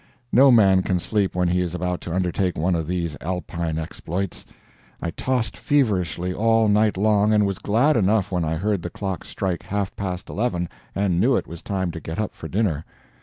No man can sleep when he is about to undertake one of these Alpine exploits. I tossed feverishly all night long, and was glad enough when I heard the clock strike half past eleven and knew it was time to get up for dinner.